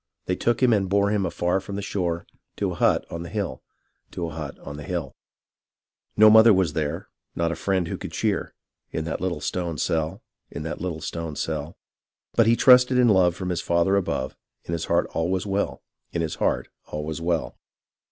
They took him and bore him afar from the shore To a hut on the hill ; to a hut on the hill. No mother was there, not a friend who could cheer In that little stone cell ; in that little stone cell, EVENTS IN AND NEAR NEW YORK 1 23 But he trusted in love from his father above, In his heart all was well ; in his heart all was well.